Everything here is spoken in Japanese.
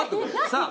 さあ。